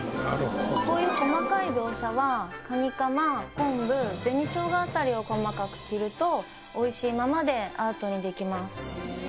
こういう細かい描写はカニカマ昆布紅生姜あたりを細かく切ると美味しいままでアートにできます。